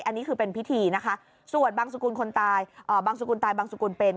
อันนี้คือเป็นพิธีนะคะส่วนบางสกุลคนตายบางสกุลตายบางสกุลเป็น